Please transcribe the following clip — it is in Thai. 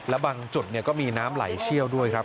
และบางจุดก็มีน้ำไหลเชี่ยวด้วยครับ